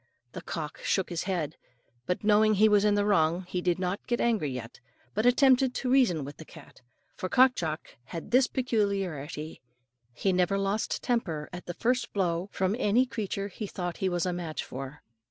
The cock shook his head; but knowing he was in the wrong, he did not get angry yet, but attempted to reason with the cat. For Cock Jock had this peculiarity: he never lost temper at the first blow from any creature he thought he was a match for.